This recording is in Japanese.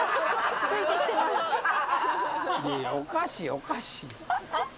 いやいやおかしいおかしい。